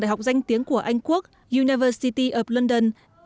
đại học danh tiếng của anh quốc university of london và staffordshire university of london